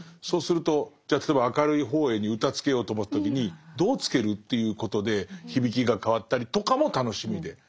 そうするとじゃあ例えば「明るい方へ」に歌つけようと思った時にどうつける？っていうことで響きが変わったりとかも楽しみで。